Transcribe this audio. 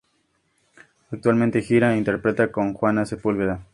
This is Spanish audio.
Actualmente gira e interpreta con Juana Sepúlveda.